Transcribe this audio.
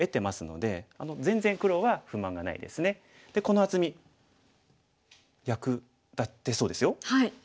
でこの厚み役立ってそうですよ。はい。